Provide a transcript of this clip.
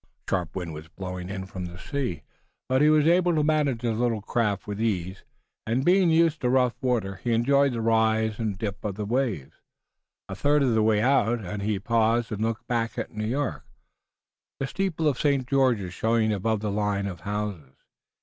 A sharp wind was blowing in from the sea, but he was able to manage his little craft with ease, and, being used to rough water, he enjoyed the rise and dip of the waves. A third of the way out and he paused and looked back at New York, the steeple of St. George's showing above the line of houses.